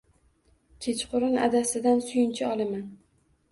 Kechqurun adasidan suyunchi olaman.